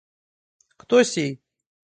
Кто сей?